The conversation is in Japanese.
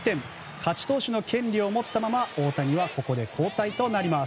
勝ち投手の権利を持ったまま大谷はここで交代となります。